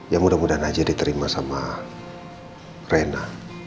ya mudah mudahan aja diterima sama rena